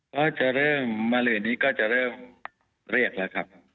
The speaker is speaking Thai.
ก็จะเริ่มมาหลืนนี้ก็จะเริ่มเรียกแล้วครับ